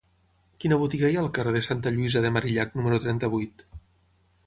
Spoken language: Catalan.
Quina botiga hi ha al carrer de Santa Lluïsa de Marillac número trenta-vuit?